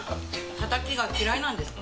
タタキが嫌いなんですか？